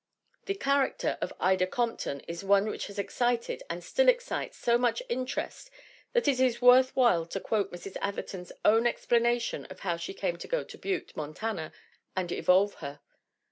The character of 50 [THE WOMEN WHO MAKE OUR NOVELS Ida Compton is one which has excited and still excites so much interest that it is worth while to quote Mrs. Atherton's own explanation of how she came to go to Butte, Montana, and evolve her.